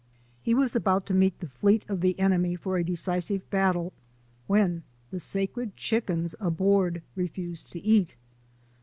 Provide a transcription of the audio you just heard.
He was about to meet the fleet of the enemy for a decisive battle when the sacred chickens aboard refused to eat.